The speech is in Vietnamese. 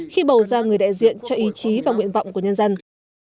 khi bầu ra người đại diện cho ý chí và nguyện vọng của nhân dân